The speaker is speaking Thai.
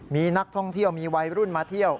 มีนักท่องเที่ยวมีวัยรุ่นมาเที่ยว